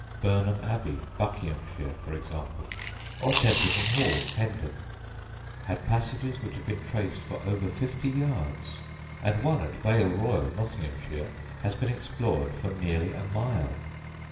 Burnham Abbey, Buckinghamshire, for example, or Tenterden Hall, Hendon, had passages which have been traced for over fifty yards; and one at Vale Royal, Nottinghamshire, has been explored for nearly a mile.